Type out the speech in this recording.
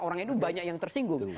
orang itu banyak yang tersinggung